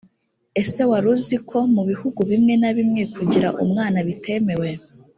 ese wari uzi ko mu bihugu bimwe na bimwe kugira umwana bitemewe?